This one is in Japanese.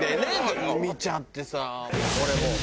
見ちゃってさもう。